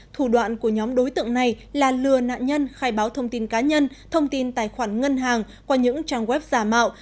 thủ đoạn của nhóm đối tượng này là lừa nạn nhân khai báo thông tin cá nhân thông tin tài khoản ngân hàng qua những trang web giả mạo